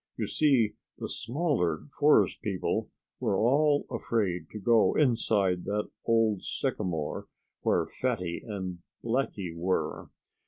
You see, the smaller forest people were all afraid to go inside that old sycamore where Fatty and Blackie were.